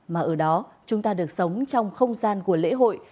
mà ở đó chúng ta được sống trong không gian của lễ hội